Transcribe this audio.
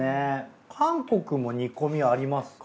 韓国も煮込みありますか？